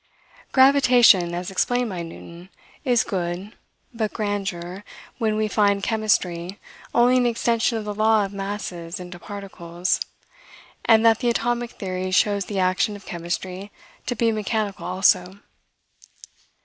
Gravitation, as explained by Newton, is good, but grandeur, when we find chemistry only an extension of the law of masses into particles, and that the atomic theory shows the action of chemistry to be mechanical also.